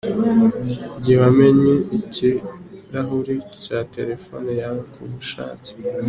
Igihe wamennye ikirahuri cya telefone yawe k’ubushake.